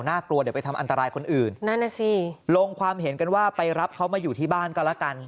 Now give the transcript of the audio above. กลัวเดี๋ยวไปทำอันตรายคนอื่นนั่นน่ะสิลงความเห็นกันว่าไปรับเขามาอยู่ที่บ้านก็แล้วกัน